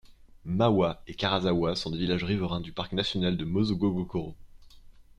Mawa et Karazawa sont des villages riverains du Parc national de Mozogo Gokoro.